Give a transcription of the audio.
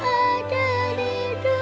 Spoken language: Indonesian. hal yang indah